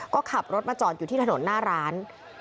ก็ขับรถมาจอดอยู่ที่ถนนหน้าร้าน